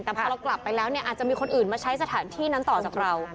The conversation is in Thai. แต่พอเรากลับไปแล้วเนี่ยอาจจะมีคนอื่นมาใช้สถานที่นั้นต่อจากเรา